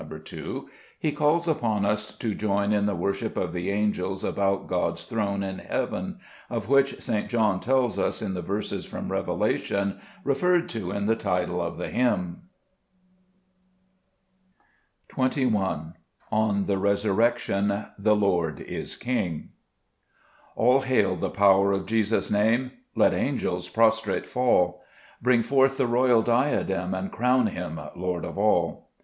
2). He calls upon us to join in the worship of the angels about God's throne in heaven, of which St. John tells us in the verses from Revelation referred to in the title of the hymn. 38 Gbe JiSest Gburcb Ibamns. 2 J On tbe iResurrectfon— Ube XorD is Iking, ALL hail the power of Jesus' Name ! Let angels prostrate fall ; Bring forth the royal diadem, And crown Him Lord of all.